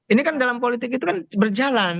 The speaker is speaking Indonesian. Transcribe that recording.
ini kan dalam politik itu kan berjalan